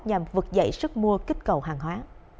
nhằm vực dậy sức mua kích cầu hàng hóa